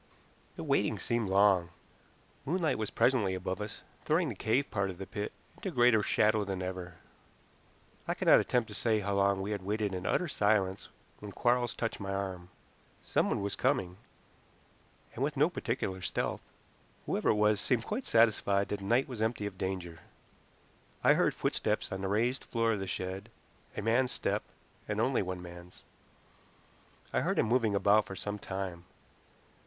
The waiting seemed long. Moonlight was presently above us, throwing the cave part of the pit into greater shadow than ever. I cannot attempt to say how long we had waited in utter silence when Quarles touched my arm. Someone was coming, and with no particular stealth. Whoever it was seemed quite satisfied that the night was empty of danger. I heard footsteps on the raised floor of the shed a man's step, and only one man's. I heard him moving about for some time.